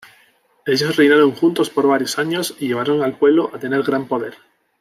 Ellos reinaron juntos por varios años y llevaron al pueblo a tener gran poder.